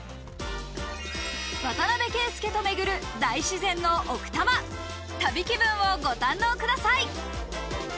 渡邊圭祐と巡る大自然の奥多摩、旅気分をご堪能ください。